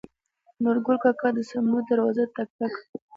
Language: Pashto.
نورګل کاکا د سمدو دروازه ټک ټک کړه.